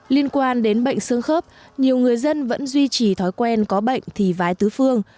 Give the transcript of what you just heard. liên quan đến bệnh xương khớp nhiều người dân vẫn duy trì thói quen có bệnh thì vái tứ phương